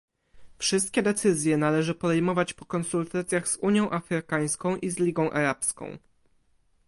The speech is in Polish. Wszystkie decyzje należy podejmować po konsultacjach z Unią Afrykańską i z Ligą Arabską